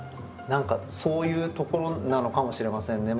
何かそういうところなのかもしれませんね。